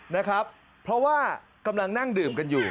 นะครับเพราะว่ากำลังนั่งดื่มกันอยู่